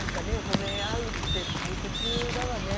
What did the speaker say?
ほめ合うって大切だわね